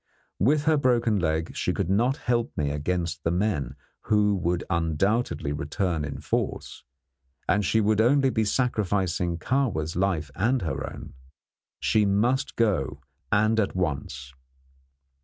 With her broken leg, she could not help me against the men, who would undoubtedly return in force, and she would only be sacrificing Kahwa's life and her own. She must go, and at once.